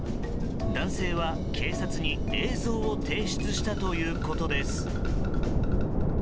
男性は警察に映像を提出したということです。